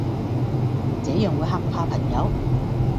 這樣會嚇怕朋友